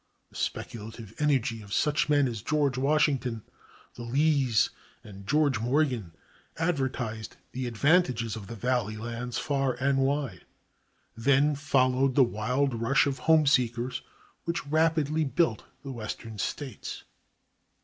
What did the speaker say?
The speculative energy of such men as George Washington, the Lees, and George Morgan advertised the advantages of the valley lands far and wide. Then followed the wild rush of homeseekers which rapidly built the Western States.